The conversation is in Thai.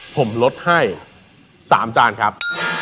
ผมลดให้๓จานครับ